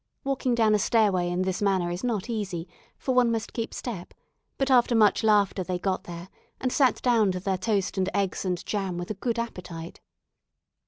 Walking down a stairway in this manner is not easy, for one must keep step, but after much laughter they got there, and sat down to their toast and eggs and jam with a good appetite.